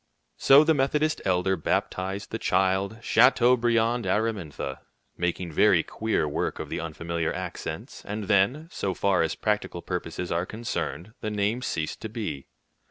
So the Methodist elder baptized the child "Chateaubriand Aramintha," making very queer work of the unfamiliar accents; and then, so far as practical purposes are concerned, the name ceased to be.